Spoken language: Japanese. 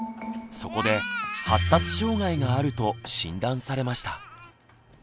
そこで発達障害があると診断されました。